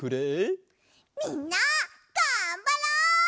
みんながんばろう！